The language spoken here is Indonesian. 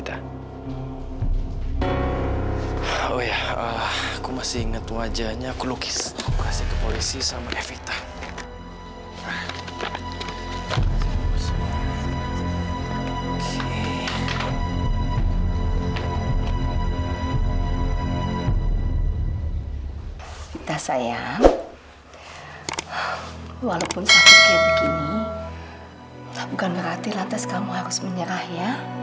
tak bukan berarti lantas kamu harus menyerah ya